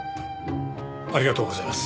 ありがとうございます。